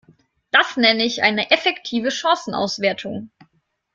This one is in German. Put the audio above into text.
Das nenne ich eine effektive Chancenauswertung!